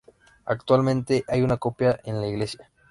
Actualmente, hay una copia en la iglesia.